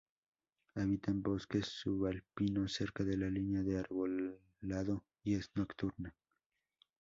Habita en bosques subalpinos cerca de la línea de arbolado y es nocturna.